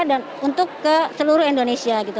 dan untuk ke seluruh indonesia gitu